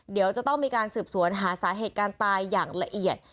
เดี๋ยวจะต้องมีการสืบสวนหาสาเหตุการณ์ตายอย่างละเอียด